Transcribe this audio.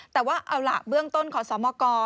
แต่ว่าเอาล่ะเบื้องต้นขอสมก